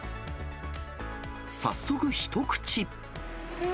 早速一口。